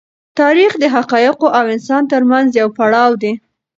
تاریخ د حقایقو او انسان تر منځ یو پړاو دی.